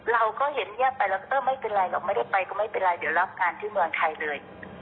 เราก็เห็นเงียบไปแล้วก็ไม่เป็นไรหรอกไม่ได้ไปก็ไม่เป็นไรเดี๋ยวรับงานที่เมืองไทยเลย